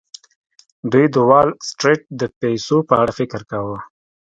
دوی د وال سټریټ د پیسو په اړه فکر کاوه